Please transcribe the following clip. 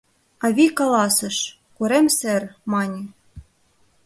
Авий каласыш: «корем сер», мане.